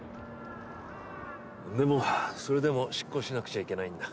でもそれでも執行しなくちゃいけないんだ。